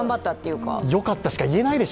よかったしか言えないでしょ